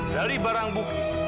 dari barang bukti